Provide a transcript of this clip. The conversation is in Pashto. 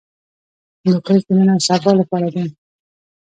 هندوکش د نن او سبا لپاره دی.